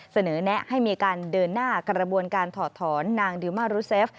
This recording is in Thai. แนะให้มีการเดินหน้ากระบวนการถอดถอนนางดิวมารุเซฟ